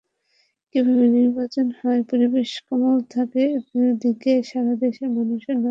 কীভাবে নির্বাচন হয়, পরিবেশ কেমন থাকে—এদিকে সারা দেশের মানুষের নজর থাকবে।